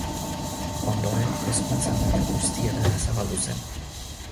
Ondoren, hezkuntza maila guztietara zabaldu zen.